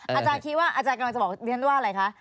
อาจารย์คิดว่าอาจารย์กำลังจะบอกเรียนว่าอะไรคะ